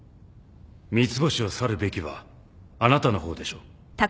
三ツ星を去るべきはあなたの方でしょう。